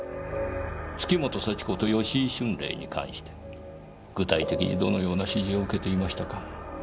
月本幸子と吉井春麗に関して具体的にどのような指示を受けていましたか？